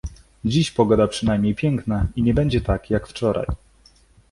Dziś pogoda przynajmniej piękna i nie będzie tak, jak wczoraj.